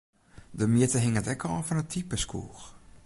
De mjitte hinget ek ôf fan it type skoech.